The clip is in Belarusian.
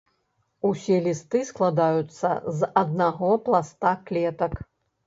Усе лісты складаюцца з аднаго пласта клетак.